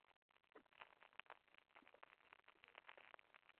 The relationships among the kingdoms within the valley became quite convoluted.